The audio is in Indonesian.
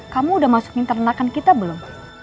kamu udah masuk minta renakan kita belum